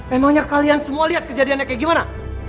emangnya kalian semua liat kejadiannya kayak gimana